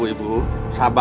pak haji bilang tenang ya